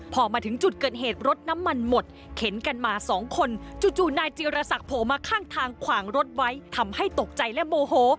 พอมาถึงจุดเกิดเหตุรถน้ำมันหมดเข็นกันมาสองคนจู่นายจิรษักโผล่มาข้างทางขวางรถไว้ทำให้ตกใจและโมโห